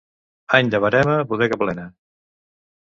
Any de verema, bodega plena.